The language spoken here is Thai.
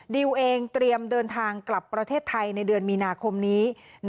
ดิวเองเตรียมเดินทางกลับประเทศไทยในเดือนมีนาคมนี้